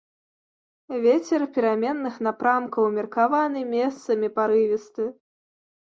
Вецер пераменных напрамкаў, умеркаваны, месцамі парывісты.